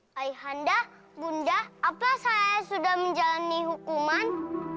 hai handa bunda apakah saya sudah menjalani hukuman